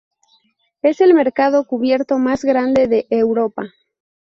Es el mercado cubierto más grande de Europa.